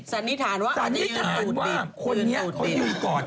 สนิทานว่าอ่านนี่หลุดติด